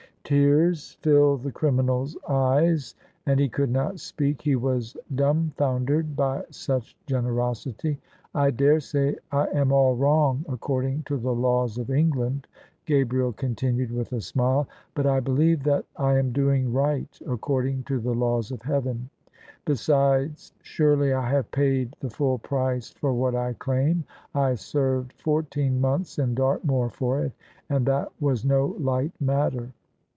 Tears filled the criminal's eyes, and he could not speaL He was dumbfoimdered by such generosity. " I daresay I am all virrong according to the laws of Eng land," Gabriel continued with a smile: "but I believe that I am doing right according to the laws of Heaven. Besides, surely I have paid the full price for what I claim: I served fourteen months in Dartmoor for it, and that was no light matter."